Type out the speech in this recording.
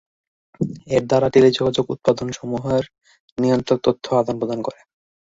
এর দ্বারা টেলিযোগাযোগ উপাদান সমুহের নিয়ন্ত্রক তথ্য আদান প্রদান করে।